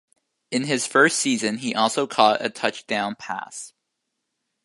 In his first season, he also caught a touchdown pass.